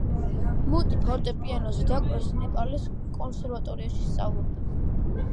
მუტი ფორტეპიანოზე დაკვრას ნეპალის კონსერვატორიაში სწავლობდა.